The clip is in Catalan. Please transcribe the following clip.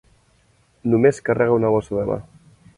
Només carrega una bossa de mà.